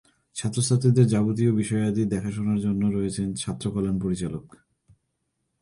ছাত্র-ছাত্রীদের যাবতীয় বিষয়াদি দেখাশোনার জন্যে রয়েছে ছাত্র কল্যাণ পরিচালক।